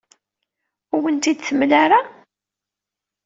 Ur awen-ten-id-temla ara.